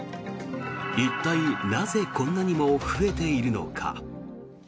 一体なぜこんなにも増えているのか。